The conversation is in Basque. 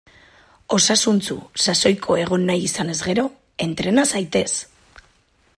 Osasuntsu, sasoiko egon nahi izanez gero; entrena zaitez!